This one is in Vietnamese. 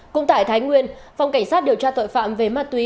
cũng tại thái nguyên phòng cảnh sát điều tra tội phạm về ma túy